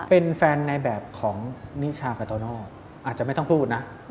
เป็นแฟนในแบบของนิชาคาโตโน่อาจจะไม่ต้องพูดนะ